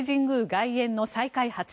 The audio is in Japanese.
外苑の再開発。